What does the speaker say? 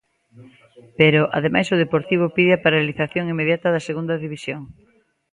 Pero, ademais, o Deportivo pide a paralización inmediata da Segunda División.